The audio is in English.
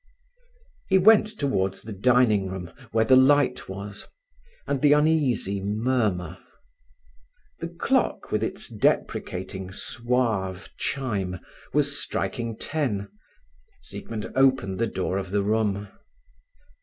He went towards the dining room, where the light was, and the uneasy murmur. The clock, with its deprecating, suave chime, was striking ten, Siegmund opened the door of the room.